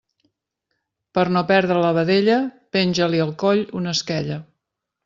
Per no perdre la vedella, penja-li al coll una esquella.